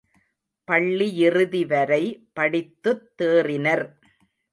பள்ளியிறுதிவரை படித்துத் தேறினர்.